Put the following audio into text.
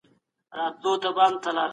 بې له علمه د خدای معرفت ګران دی.